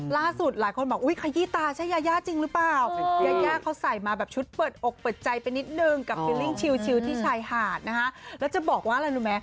แล้วจะบอกว่าอะไรรู้ไหม